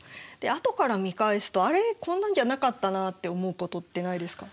あとから見返すとあれこんなんじゃなかったなって思うことってないですか？